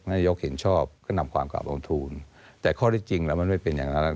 นายกเห็นชอบก็นำความกลับลงทุนแต่ข้อที่จริงแล้วมันไม่เป็นอย่างนั้นแล้ว